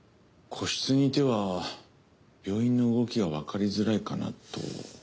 個室にいては病院の動きがわかりづらいかなと。